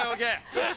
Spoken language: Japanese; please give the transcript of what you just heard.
よし！